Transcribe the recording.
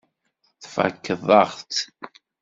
Tfakkeḍ-aɣ-tt.